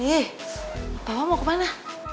ih papa mau kemana